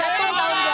terima kasih pak said